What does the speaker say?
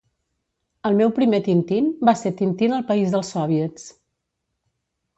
El meu primer Tintín va ser Tintín al país dels Sòviets